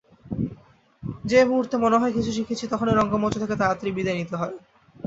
যে মুহূর্তে মনে হয় কিছু শিখেছি, তখনই রঙ্গমঞ্চ থেকে তাড়াতাড়ি বিদায় নিতে হয়।